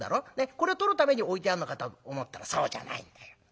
これを取るために置いてあるのかと思ったらそうじゃないんだよ。